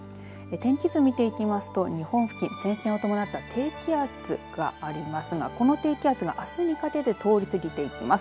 天気図見ていきますと、日本付近前線を伴った低気圧がありますがこの低気圧が、あすにかけて通り過ぎていきます。